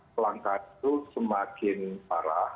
kelangkaan itu semakin parah